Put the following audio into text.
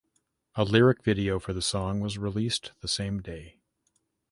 A lyric video for the song was released the same day.